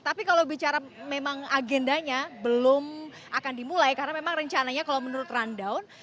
tapi kalau bicara memang agendanya belum akan dimulai karena memang rencananya kalau menurut rundown